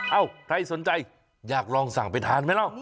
เอ้าใครสนใจอยากลองสั่งไปทานไหมเนาะ